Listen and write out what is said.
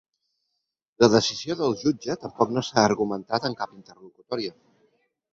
La decisió del jutge tampoc no s’ha argumentat en cap interlocutòria.